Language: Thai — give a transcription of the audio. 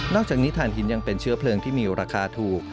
อกจากนี้ฐานหินยังเป็นเชื้อเพลิงที่มีราคาถูก